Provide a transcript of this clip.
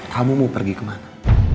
kamu mau pergi kemana